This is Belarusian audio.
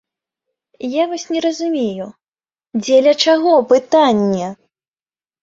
Я вось не разумею, дзеля чаго пытанне?